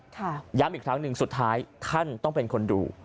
ย้ำอีกครั้งหนึ่งสุดท้ายท่านต้องเป็นคนดู